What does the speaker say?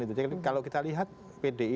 itu jadi kalau kita lihat pdi